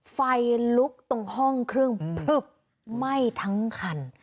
ไฟลุกตรงห้องเครื่องพลึบไหม้ทั้งคัน